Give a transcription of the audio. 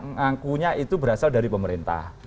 ngangkunya itu berasal dari pemerintah